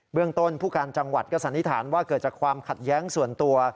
เรื่องต้นผู้การจังหวัดก็สันนิษฐานว่าเกิดจากความขัดแย้งส่วนตัว